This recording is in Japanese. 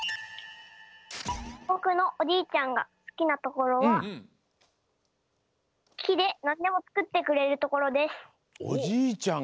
ぼくのおじいちゃんがすきなところはおじいちゃんがきでなんでもつくってくれる。